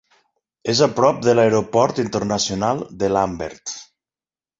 És a prop de l'Aeroport Internacional de Lambert.